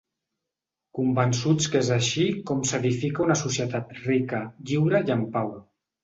Convençuts que és així com s’edifica una societat rica, lliure i en pau.